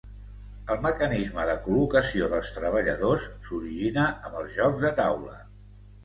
El mecanisme de col·locació dels treballadors s'origina amb els jocs de taula.